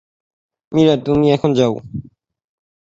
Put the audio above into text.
মীরা, তুমি এখন যাও।